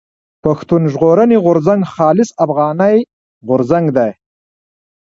پښتون ژغورني غورځنګ خالص افغاني غورځنګ دی.